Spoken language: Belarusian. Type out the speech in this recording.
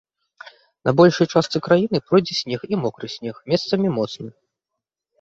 На большай частцы краіны пройдзе снег і мокры снег, месцамі моцны.